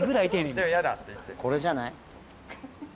これじゃない？